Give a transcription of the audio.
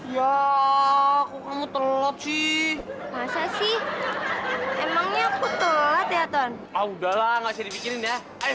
ya aku kamu telat sih masa sih emangnya aku telat ya ton udah lah nggak jadi bikin ya ayo